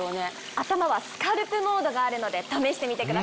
頭はスカルプモードがあるので試してみてください。